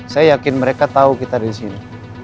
saya yakin mereka tahu kita di sini